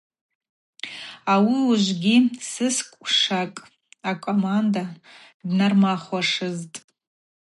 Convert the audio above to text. Ауи ужвыгьи хысквшакӏ акоманда дгьнармахвуашызтӏ.